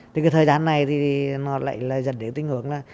thì cái thời gian này thì nó lại dần đến tình hưởng là